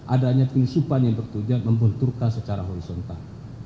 adanya penyusupan yang bertujuan membenturkan secara horizontal